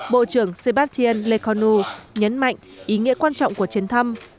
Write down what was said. bộ trưởng sébastien lecourneau nhấn mạnh ý nghĩa quan trọng của chuyến thăm